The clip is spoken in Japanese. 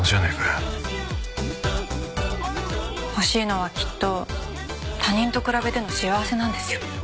欲しいのはきっと他人と比べての幸せなんですよ。